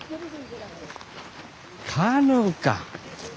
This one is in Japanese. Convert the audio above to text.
カヌーか！